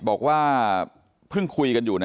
ตลอดทั้งคืนตลอดทั้งคืน